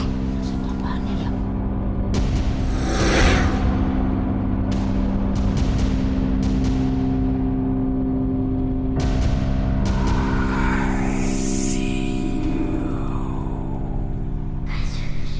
maksudnya apaan ya kak